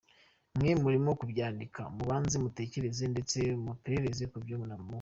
Mwe murimo kubyandika mubanze mutekereze ndetse muperereze kubyo muvuga.